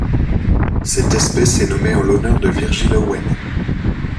Cette espèce est nommée en l'honneur de Virgil Owen.